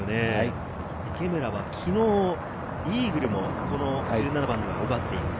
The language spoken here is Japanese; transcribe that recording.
池村は昨日、イーグルもこの１７番では奪っています。